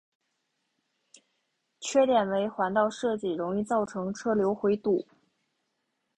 缺点为环道设计容易造成车流回堵。